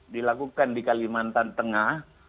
dilakukan di kalimantan tengah